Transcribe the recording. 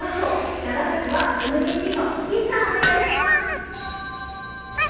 長崎はＭＢＣの岸さんお願いします。